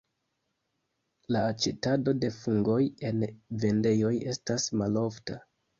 La aĉetado de fungoj en vendejoj estas malofta.